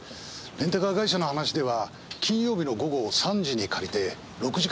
レンタカー会社の話では金曜日の午後３時に借りて６時間の契約だったようです。